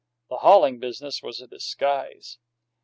The hauling business was a disguise.